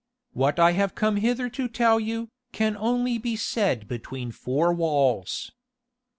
What I have come hither to tell you, can only be said between four walls."